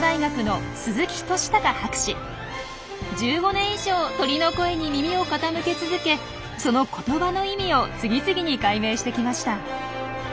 １５年以上鳥の声に耳を傾け続けその言葉の意味を次々に解明してきました。